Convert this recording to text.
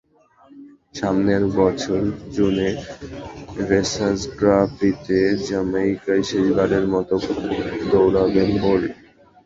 সামনের বছর জুনে রেসার্স গ্রাঁ প্রিতে জ্যামাইকায় শেষবারের মতো দৌড়াবেন বোল্ট।